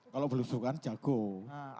kalau belusuan cakup